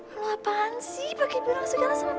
lo apaan sih bagi berang segala sama pak umar